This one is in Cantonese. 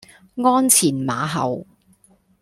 鞍前馬後